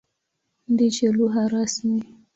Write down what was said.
Ndicho lugha rasmi.